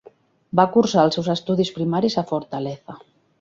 Va cursar els seus estudis primaris a Fortaleza.